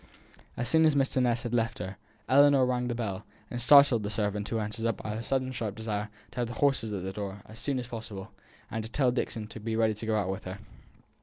As soon as Mr. Ness had left her, Ellinor rang the bell, and startled the servant who answered it by her sudden sharp desire to have the horses at the door as soon as possible, and to tell Dixon to be ready to go out with her.